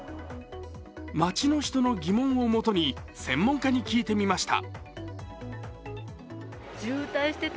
街の人の疑問を元に、専門家に聞いてみました。